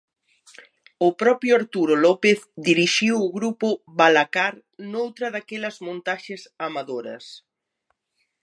O propio Arturo López dirixiu o grupo Valacar noutra daquelas montaxes amadoras.